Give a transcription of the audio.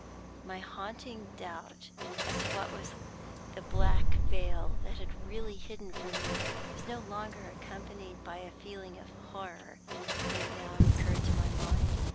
My haunting doubt as to what the black veil had really hidden from me was no longer accompanied by a feeling of horror when it now recurred to my mind.